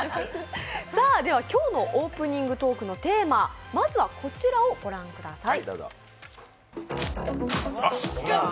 今日のオープニングトークのテーマ、まずはこちらをご覧ください。